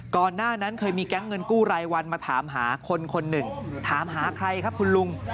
ก่อนหน้านั้นเคยมีแก๊งเงินกู้รายวันมาถามหาคนคนหนึ่งถามหาใครครับคุณลุง